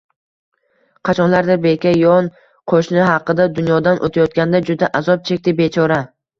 Qachonlardir beka yon qo‘shni haqida, “Dunyodan o‘tayotganda juda azob chekdi, bechora